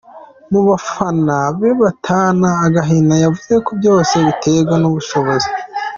mu bafana be batahana agahinda ,yavuze ko byose biterwa nubushobozi.